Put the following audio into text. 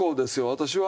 私は。